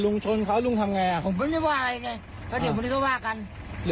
ลุงชนเข้าไว้ลุงชนเข้าไว้